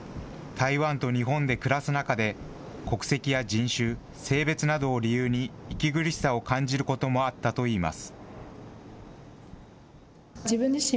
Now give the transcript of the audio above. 台湾と日本で暮らす中で、国籍や人種、性別などを理由に、息苦しさを感じることもあったといいます。